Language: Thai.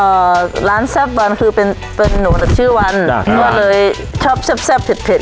อ่าร้านแซ่บวันคือเป็นเป็นหนุ่มแต่ชื่อวันอ่าค่ะเพราะว่าเลยชอบแซ่บแซ่บเผ็ดเผ็ด